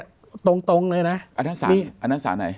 อันนั้นสารไหน